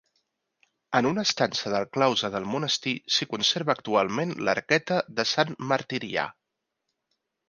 En una estança del claustre del monestir s'hi conserva actualment l'Arqueta de Sant Martirià.